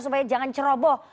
supaya jangan ceroboh